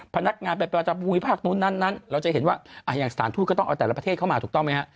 พนักงานไปประจำภูมิภาคนู้นนั้นเราจะเห็นว่าอย่างสถานทูตก็ต้องเอาแต่ละประเทศเข้ามาถูกต้องไหมฮะ